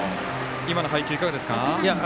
今の配球いかがですか？